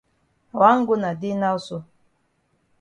I wan go na dey now so.